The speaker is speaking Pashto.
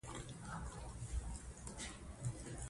ازادي راډیو د د انتخاباتو بهیر په اړه د خلکو وړاندیزونه ترتیب کړي.